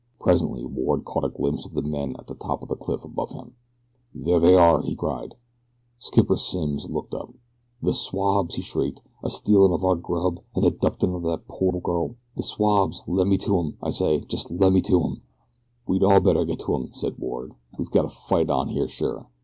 Presently Ward caught a glimpse of the men at the top of the cliff above him. "There they are!" he cried. Skipper Simms looked up. "The swabs!" he shrieked. "A stealin' of our grub, an' abductin' of that there pore girl. The swabs! Lemme to 'em, I say; jest lemme to 'em." "We'd all better go to 'em," said Ward. "We've got a fight on here sure.